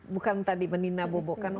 bukan tadi menina bobokan